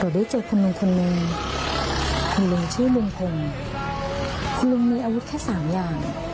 ได้เจอคุณลุงคนนึงคุณลุงชื่อลุงพลคุณลุงมีอาวุธแค่สามอย่าง